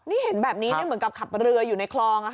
นี่เห็นแบบนี้เหมือนกับขับเรืออยู่ในคลอง